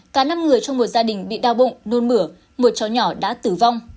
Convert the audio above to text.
cả năm người trong một gia đình bị đau bụng nôn mửa một cháu nhỏ đã tử vong